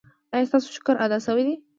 ایا ستاسو شکر ادا شوی دی؟